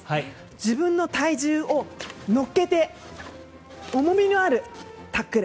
自分の体重を乗っけて重みのあるタックル。